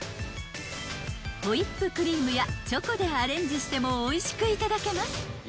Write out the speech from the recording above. ［ホイップクリームやチョコでアレンジしてもおいしくいただけます］